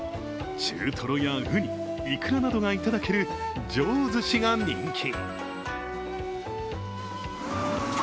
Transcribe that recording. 中トロやウニ、イクラなどがいただける上寿司が人気。